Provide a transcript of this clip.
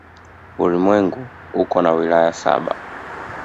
Ulimwengu uko na wilaya saba.